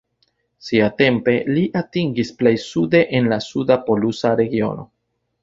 Siatempe, li atingis plej sude en la suda polusa regiono.